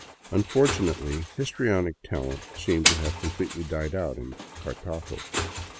Unfortunately, histrionic talent seemed to have completely died out in Cartago.